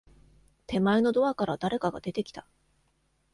手前のドアから、誰かが出てきた。